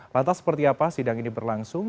lantas seperti apa sidang ini berlangsung